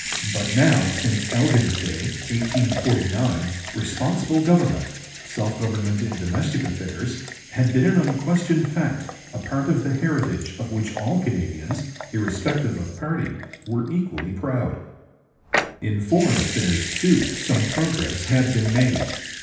But now, since Elgin's day (1849), responsible government, self government in domestic affairs, had been an unquestioned fact, a part of the heritage of which all Canadians, irrespective of party, were equally proud. In foreign affairs, too, some progress had been made.